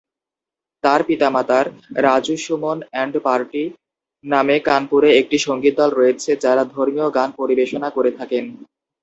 তার পিতামাতার "Raju Suman and party" নামে কানপুরে একটি সঙ্গীত দল রয়েছে, যারা ধর্মীয় গান পরিবেশনা করে থাকেন।